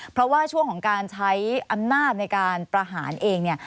เพราะว่าช่วงของการใช้อำนาจในการประหารเองเนี่ย